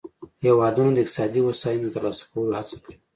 هیوادونه د اقتصادي هوساینې د ترلاسه کولو هڅه کوي